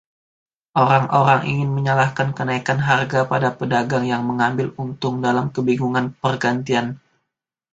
Orang-orang ingin menyalahkan kenaikan harga pada pedagang yang mengambil untung dalam kebingungan pergantian.